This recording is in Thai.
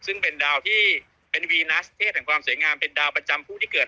ซึ่งเป็นดาวที่เป็นวีนัสเทศแห่งความสวยงามเป็นดาวประจำผู้ที่เกิด